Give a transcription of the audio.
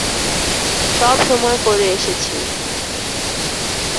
সবসময় করে এসেছি।